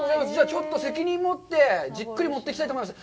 ちょっと責任持ってじっくり持っていきたいと思います。